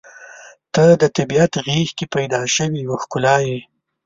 • ته د طبیعت غېږ کې پیدا شوې یوه ښکلا یې.